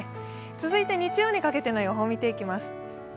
続いて日曜にかけての予報を見ていきます。